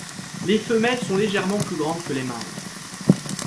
Les femelles sont légèrement plus grandes que les mâles.